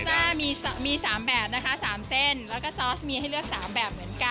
วันนี้พาสต้ามีสามแบบนะคะสามเส้นแล้วก็ซอสมีที่เลือกสามแบบเหมือนกัน